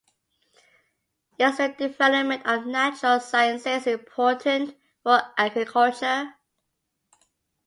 Is the development of natural sciences important for agriculture?